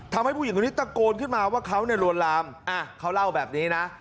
ผู้หญิงคนนี้ตะโกนขึ้นมาว่าเขาเนี่ยลวนลามเขาเล่าแบบนี้นะ